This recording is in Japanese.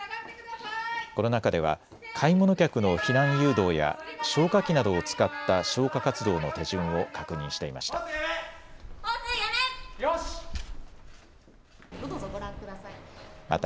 この中では買い物客の避難誘導や消火器などを使った消火活動の手順を確認していました。